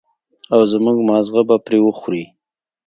او زموږ ماغزه به پرې وخوري.